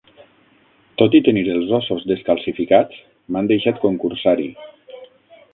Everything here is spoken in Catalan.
Tot i tenir els ossos descalcificats, m'han deixat concursar-hi.